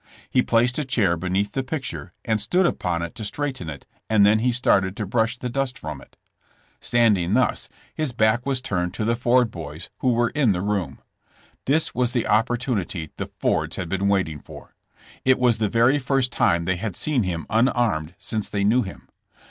He placed a chair beneath the picture and stood upon it to straighten it and then he started to brush the dust from it. Standing thus, his back THK DEATH OF JESSK JAMES. 17 was turned to the Ford boys, who were in the room. This was the opportunity the Fords had been wait ing for. It was the very first time they had seen him unarmed since they knew him.